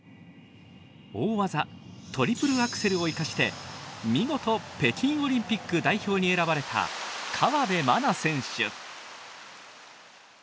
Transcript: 大技トリプルアクセルを生かして見事北京オリンピック代表に選ばれた河辺愛菜選手。